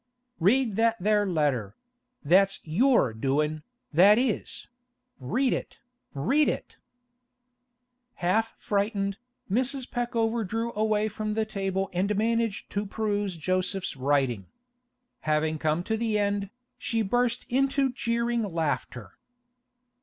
'Read that there letter! That's your doin', that is! Read it? Read it!' Half frightened, Mrs. Peckover drew away from the table and managed to peruse Joseph's writing. Having come to the end, she burst into jeering laughter.